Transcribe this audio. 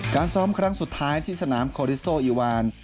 การซ้อมครั้งสุดท้ายที่สนามโคริโซอีวาน